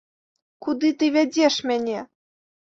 Куды ты вядзеш мяне?